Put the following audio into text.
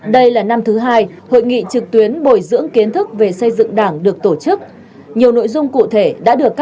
đây là năm thứ hai hội nghị trực tuyến bồi dưỡng kiến thức về xây dựng đảng được tổ chức